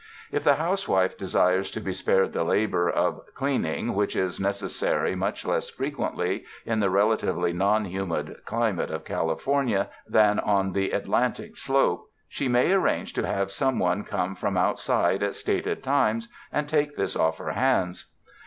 If the housewife desires to be spared the labor of clean ing, which is necessary much less frequently in the relatively non humid climate of California than on the Atlantic slope, she may arrange to have some one come from outside at stated times and take this off her hands.